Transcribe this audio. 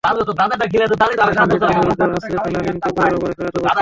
তাঁকে মিড অফের ওপর আছড়ে ফেলা লিনকে পরের ওভারে ফেরাতেও পারতেন।